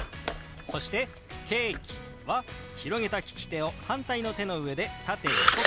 そして「ケーキ」は広げた利き手を反対の手の上で縦横と動かします。